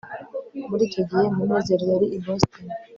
muri icyo gihe, munezero yari i boston